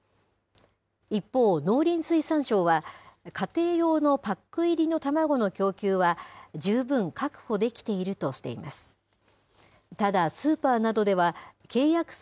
一方、農林水産省では、家庭用のパック入りの卵の供給は、十分確保できているとしています。